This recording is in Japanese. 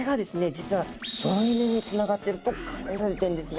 実は省エネにつながってると考えられてるんですね。